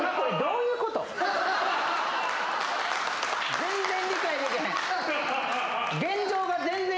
全然理解できへん。